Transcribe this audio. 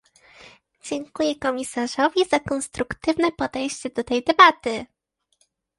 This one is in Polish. Dziękuję komisarzowi za konstruktywne podejście do tej debaty